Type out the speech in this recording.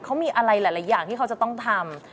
เขามีอะไรหลายอย่างที่เขาจะต้องทำ